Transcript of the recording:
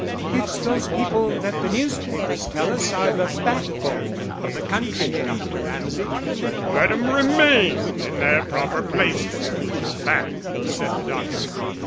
"It's those people that the newspapers tell us are the backbone of the country, Dr. Ramsay." "Let 'em remain in their proper place then, in the back," said the doctor.